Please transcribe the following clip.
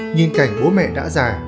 nhìn cảnh bố mẹ đã già